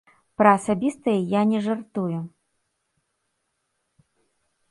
Пра асабістае я не жартую.